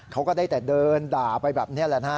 เขาก็ได้แต่เดินด่าไปแบบนี้แหละนะฮะ